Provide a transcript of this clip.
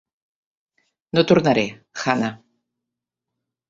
No tornaré, Hannah.